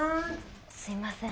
すいません。